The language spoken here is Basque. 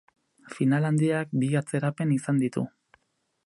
Final handiak bi atzerapen izan ditu.